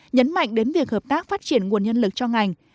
nhấn mạnh đến việc hợp tác phát triển nguồn nhân lực cho ngành